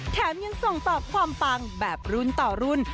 แถมยังส่งต่อความปังแบบรุ่นต่อรุ่น